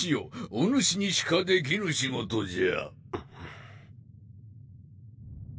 お主にしかできぬ仕事じゃ。